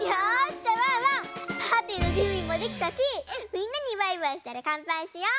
じゃあワンワンパーティーのじゅんびもできたしみんなにバイバイしたらかんぱいしよう！